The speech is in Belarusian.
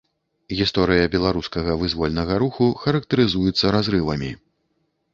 Гісторыя беларускага вызвольнага руху характарызуецца разрывамі.